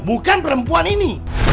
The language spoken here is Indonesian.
bukan perempuan ini